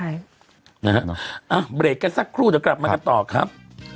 เบรกกันสักครู่เดี๋ยวกลับมากันต่อครับ